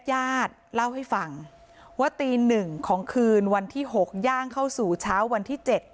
ญาติเล่าให้ฟังว่าตี๑ของคืนวันที่๖ย่างเข้าสู่เช้าวันที่๗